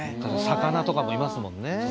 魚とかもいますもんね。